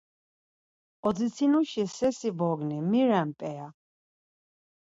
Odzitsinuşi sersi bogni, mi ren p̌eya?